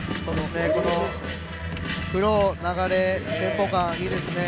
フロー、流れ、テンポ感、いいですね。